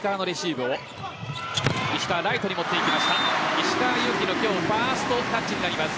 石川祐希の今日ファーストタッチになります。